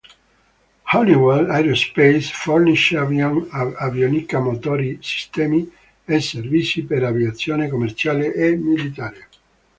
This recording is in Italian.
Honeywell Aerospace fornisce avionica, motori, sistemi e servizi per aviazione commerciale e militare.